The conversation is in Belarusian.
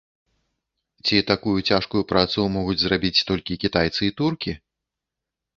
Ці такую цяжкую працу могуць зрабіць толькі кітайцы і туркі?